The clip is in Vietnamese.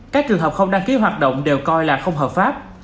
các trường hợp không đăng ký hoạt động đều coi là không hợp pháp